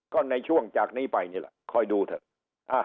ก็ในช่วงจากนี้ไปนี่แหละคอยดูเถอะ